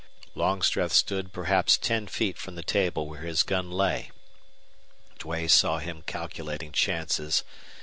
Longstreth stood perhaps ten feet from the table where his gun lay Duane saw him calculating chances.